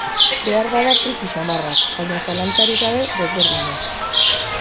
Beharbada friki samarrak, baina, zalantzarik gabe, desberdinak.